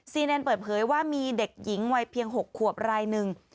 แนนเปิดเผยว่ามีเด็กหญิงวัยเพียง๖ขวบรายหนึ่ง